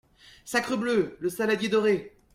Sacrebleu ! le saladier doré !